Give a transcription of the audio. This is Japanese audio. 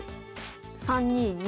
３二銀。